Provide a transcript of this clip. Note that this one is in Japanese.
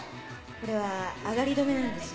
これはアガリ止めなんですよ。